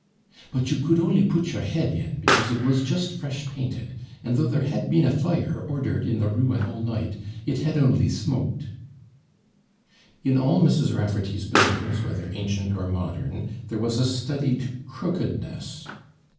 'But you could only put your head in, because it was just fresh painted, and though there had been a fire ordered in the ruin all night, it had only smoked.' In all Mrs. Raffarty's buildings, whether ancient or modern, there was a studied crookedness.